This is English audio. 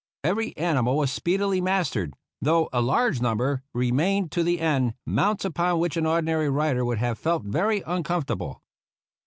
Every ani mal was speedily mastered, though a large num ber remained to the end mounts upon which an THE ROUGH RIDERS ordinary rider would have felt very uncomforta ble.